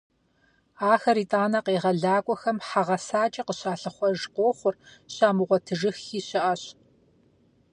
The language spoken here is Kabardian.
Ахэр итӏанэ къегъэлакӏуэхэм хьэ гъэсакӏэ къыщалъыхъуэж къохъур, щамыгъуэтыжыххи щыӏэщ.